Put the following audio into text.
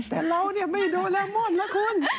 แต่เราเนี่ยไม่ดูดเล็กมนต์ล่ะคุณ